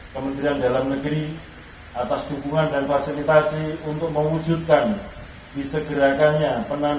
kementerian dalam negeri atas dukungan dan fasilitasi untuk mewujudkan disegerakannya